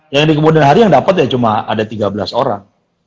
yang di kemudian hari yang dapat ya cuma ada tiga belas orang